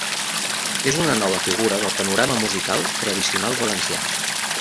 És una nova figura del panorama musical tradicional valencià.